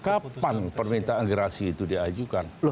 kapan permintaan gerasi itu diajukan